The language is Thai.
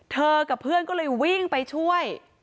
กับเพื่อนก็เลยวิ่งไปช่วย